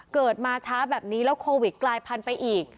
เกิดมาช้าแบบนี้แล้วโควิดกลายพันธุ์ไปอีก